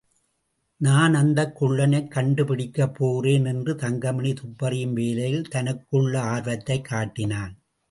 நான் அந்தக் குள்ளனைக் கண்டுபிடிக்கப் போகிறேன் என்று தங்கமணி துப்பறியும் வேலையில் தனக்குள்ள ஆர்வத்தைக் காட்டினான்.